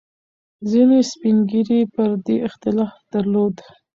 ځینې سپین ږیري پر دې اختلاف درلود.